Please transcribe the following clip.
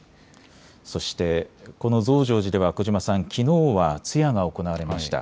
そして、この増上寺では小嶋さん、きのうは通夜が行われました。